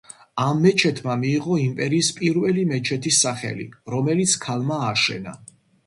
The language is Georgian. ამ მეჩეთმა მიიღო იმპერიის პირველი მეჩეთის სახელი, რომელიც ქალმა ააშენა.